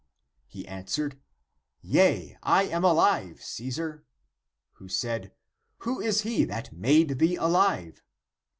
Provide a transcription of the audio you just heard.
He answered, "(Yea,) I am alive, Caesar." Who said, " Who is he that made thee alive?